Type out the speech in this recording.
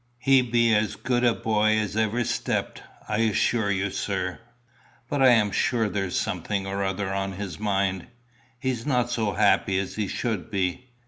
He be as good a by as ever stepped, I assure you, sir." "But I am sure there is something or other on his mind. He's not so happy as he should be.